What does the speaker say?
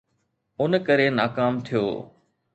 ان ڪري ناڪام ٿيو.